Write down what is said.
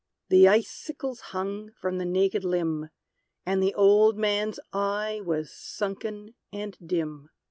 The icicles hung from the naked limb, And the old man's eye was sunken and dim.